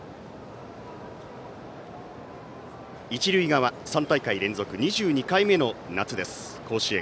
一塁側、３大会連続２２回目の夏です、甲子園。